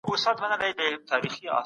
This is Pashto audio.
خلګ په ازاده توګه خپل استازي ټاکي.